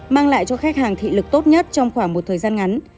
mang lại cho khách hàng thị lực tốt nhất trong khoảng một thời gian ngắn